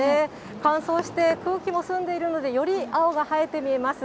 乾燥して空気も澄んでいるので、より青が映えて見えます。